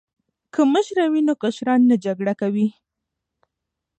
که مشره وي نو کشران نه جګړه کوي.